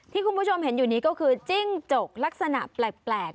คุณผู้ชมเห็นอยู่นี้ก็คือจิ้งจกลักษณะแปลก